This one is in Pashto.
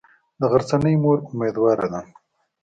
د غرڅنۍ مور امیدواره ده.